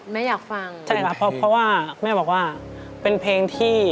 แม่อยากฟัง